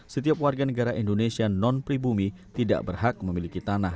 setiap warga negara indonesia non pribumi tidak berhak memiliki tanah